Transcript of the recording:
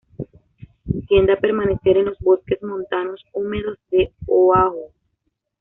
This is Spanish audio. Tiende a permanecer en los bosques montanos húmedos de Oahu.